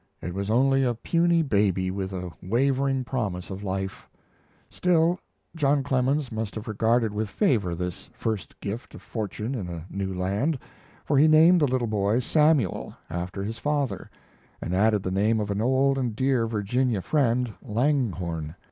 It was only a puny baby with a wavering promise of life. Still, John Clemens must have regarded with favor this first gift of fortune in a new land, for he named the little boy Samuel, after his father, and added the name of an old and dear Virginia friend, Langhorne.